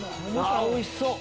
おいしそう！